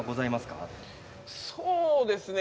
そうですね